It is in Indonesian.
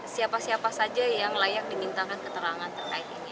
siapa siapa saja yang layak dimintakan keterangan terkait ini